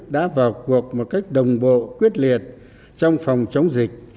đã vào cuộc một cách đồng bộ quyết liệt trong phòng chống dịch